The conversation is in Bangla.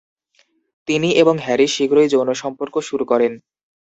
তিনি এবং হ্যারি শীঘ্রই যৌন সম্পর্ক শুরু করেন।